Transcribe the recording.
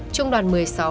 trung đoàn một mươi sáu